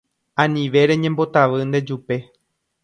Anive reñembotavy ndejupe